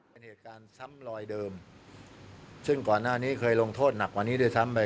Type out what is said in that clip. เป็นเหตุการณ์ซ้ำลอยเดิมซึ่งก่อนหน้านี้เคยลงโทษหนักกว่านี้ด้วยซ้ำไป